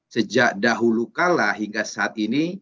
sejak dahulu kala hingga saat ini